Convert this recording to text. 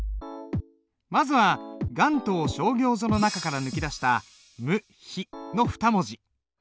まずは「雁塔聖教序」の中から抜き出した「無比」の２文字。